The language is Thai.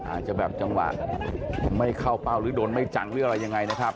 อาจจะแบบจังหวะไม่เข้าเป้าหรือโดนไม่จังหรืออะไรยังไงนะครับ